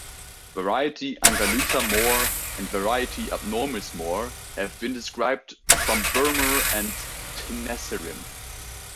Variety "angulata" Moore, and variety "abnormis" Moore, have been described from Burma and Tenasserim.